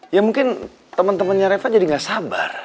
ya mungkin temen temennya reva jadi gak sabar